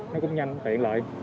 nó cũng nhanh tiện lợi